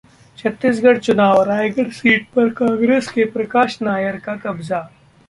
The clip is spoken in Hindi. छत्तीसगढ़ चुनाव: रायगढ़ सीट पर कांग्रेस के प्रकाश नायर का कब्जा